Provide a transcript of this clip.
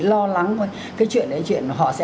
lo lắng cái chuyện đấy chuyện họ sẽ